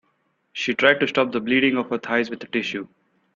She tried to stop the bleeding of her thighs with a tissue.